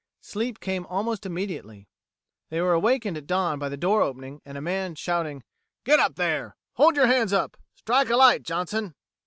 Sleep came almost immediately. They were awakened at dawn by the door opening, and a man shouting, "Get up there! Hold you hands up! Strike a light, Johnson."